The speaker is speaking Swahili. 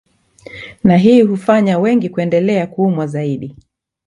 Na hii hufanya wengi kuendelea kuumwa zaidi